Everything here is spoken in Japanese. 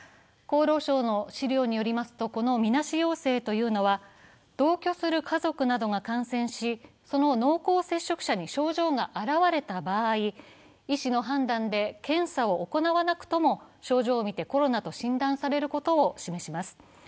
厚労省の資料によりますと、このみなし陽性者というのは、同居する家族などが感染し、その濃厚接触者に症状が表れた場合、医師の判断で検査を行わなくとも症状をみてコロナと診断されることを示します。